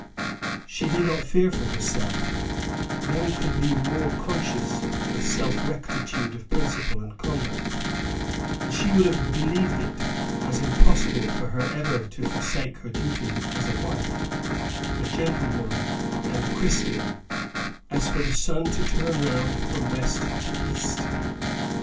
She did not fear for herself; none could be more conscious of self rectitude of principle and conduct; and she would have believed it as impossible for her ever to forsake her duty as a wife, a gentlewoman, and a Christian, as for the sun to turn round from west to east.